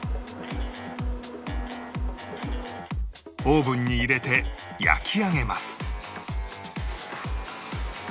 オーブンに入れて焼き上げます